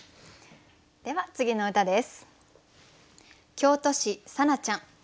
では次の歌です。